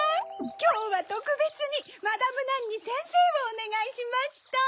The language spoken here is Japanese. きょうはとくべつにマダム・ナンにせんせいをおねがいしました。